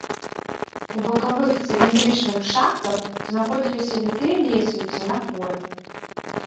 У бакавых цыліндрычных шахтах знаходзіліся вітыя лесвіцы на хоры.